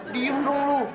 diam dong lu